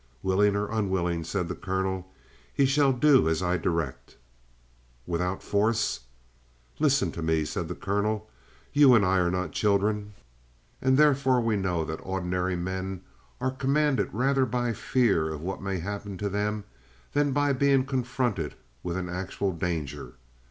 "Willing or unwilling," said the colonel, "he shall do as I direct!" "Without force?" "Listen to me," said the colonel. "You and I are not children, and therefore we know that ordinary men are commanded rather by fear of what may happen to them than by being confronted with an actual danger.